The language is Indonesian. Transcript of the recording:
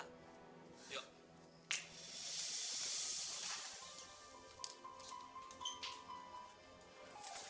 sebelum polisi ngebongkar semua rahasia kita